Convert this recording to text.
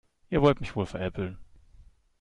Ihr wollt mich wohl veräppeln.